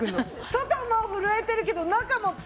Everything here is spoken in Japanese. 外も奮えてるけど中も。